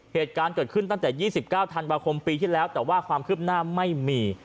เหตุการณ์เกิดขึ้นตั้งแต่๒๙ธันวาคมปีที่แล้วแต่ว่าความคืบหน้าไม่มี